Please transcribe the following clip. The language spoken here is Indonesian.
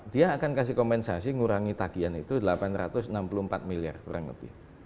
dia akan kasih kompensasi ngurangi tagian itu delapan ratus enam puluh empat miliar kurang lebih